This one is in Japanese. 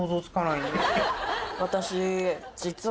私。